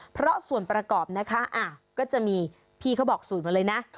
เพราะส่วนประกอบนะคะก็จะมีพี่เขาบอกสูตรมาเลยนะ